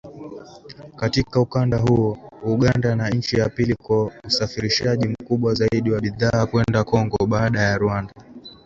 Katika ukanda huo, Uganda ni nchi ya pili kwa usafirishaji mkubwa zaidi wa bidhaa kwenda Kongo, baada ya Rwanda